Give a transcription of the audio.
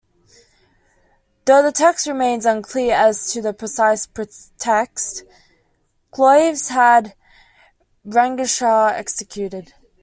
Though the text remains unclear as to the precise pretext, Clovis had Ragnachar executed.